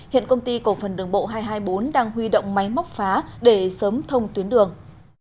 hiện công ty cổ phần đường bộ hai trăm hai mươi bốn đang huy động máy móc phá để sớm thông tuyến đường